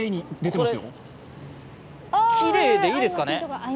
これ、きれいでいいですかね？